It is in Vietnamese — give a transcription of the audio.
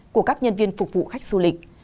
của các nhân viên phục vụ khách du lịch